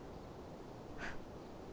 フッ。